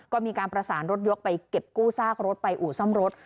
ก็มีการประสานรถยกไปเก็บกู้ซากรถไปอู่ซ่อมรถ